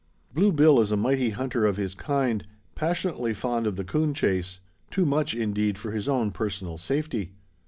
Blue Bill is a mighty hunter of his kind, passionately fond of the coon chase too much, indeed, for his own personal safety.